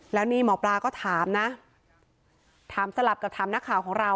แล้วนี่หมอปลาก็ถามนะถามสลับกับถามนักข่าวของเรา